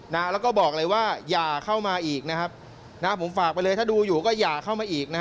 แล้วก็บอกเลยว่าอย่าเข้ามาอีกผมฝากไปเลยถ้าดูอยู่ก็อย่าเข้ามาอีก